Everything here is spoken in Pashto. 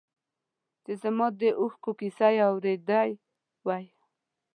چې زما د اوښکو کیسه یې اورېدی وای.